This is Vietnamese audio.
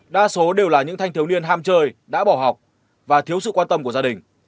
đa số đều là những thanh thiếu niên ham chơi đã bỏ học và thiếu sự quan tâm của gia đình